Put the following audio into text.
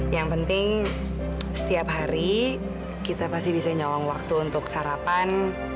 yang penting setiap hari kita pasti bisa nyawang waktu untuk sarapan